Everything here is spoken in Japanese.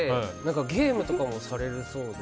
ゲームとかもされるそうで。